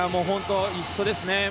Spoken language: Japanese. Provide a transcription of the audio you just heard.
一緒ですね。